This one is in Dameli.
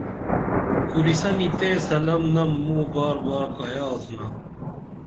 کُرِسنی تئیں سلام نم موں بار بار کایہ آڅِنا